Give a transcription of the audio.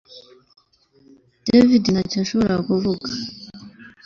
David ntacyo yashoboraga kuvuga